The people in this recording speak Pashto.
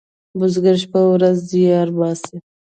بزگر شپه او ورځ زیار باسي.